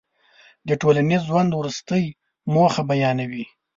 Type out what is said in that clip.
د ټولنیز ژوند وروستۍ موخه بیانوي.